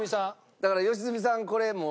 だから良純さんこれもう。